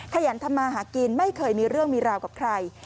ขยันทำมาหากินไม่เคยมีเรื่องมีราวกับใคร